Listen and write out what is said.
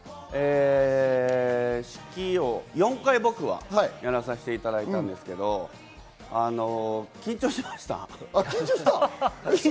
４回、僕はやらせていただいたんですが緊張しました。